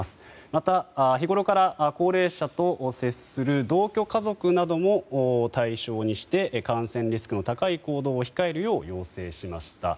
また日ごろから高齢者と接する同居家族なども対象にして感染リスクの高い行動を控えるよう要請しました。